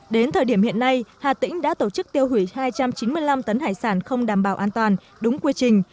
đến thời điểm hiện nay hà tĩnh đã tổ chức tiêu hủy hai trăm chín mươi năm tấn hải sản không đảm bảo an toàn đúng quy trình